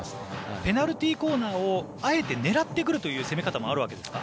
ペナルティーコーナーをあえて狙ってくるという攻め方もあるわけですか。